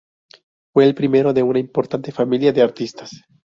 Fue el primero de una importante familia de artistas.